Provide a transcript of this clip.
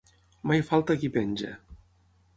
Mai falta qui penja.